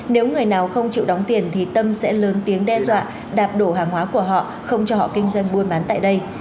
nếu người nào không chịu đóng tiền thì tâm sẽ lớn tiếng đe dọa đạp đổ hàng hóa của họ không cho họ kinh doanh buôn bán tại đây